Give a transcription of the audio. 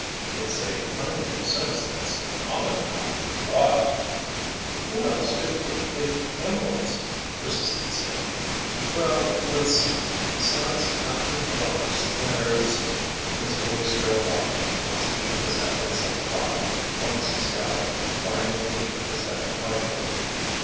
"It's a kind of sense that's common enough—but——" "Who else could get the emeralds?" persisted Sandy. "Well, let's see. Besides Captain Parks, there's—" his voice trailed off; once he shook his head at some thought; once he scowled; finally he shook his head defiantly.